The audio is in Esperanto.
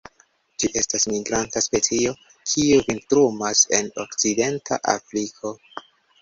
Ĝi estas migranta specio, kiu vintrumas en okcidenta Afriko.